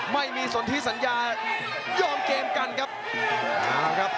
ไม่มีสวนที่สัญญายอมเกมกันครับ